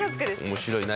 面白い。